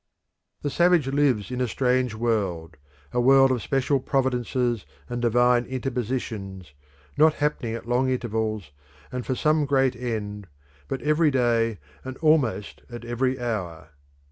The savage lives in a strange world, a world of special providences and divine interpositions, not happening at long intervals and for some great end, but every day and almost at every hour.